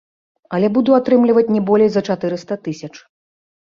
Але буду атрымліваць не болей за чатырыста тысяч.